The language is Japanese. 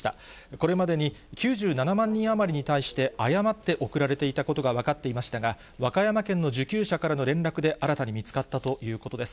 これまでに９７万人余りに対して誤って送られていたことが分かっていましたが、和歌山県の受給者からの連絡で、新たに見つかったということです。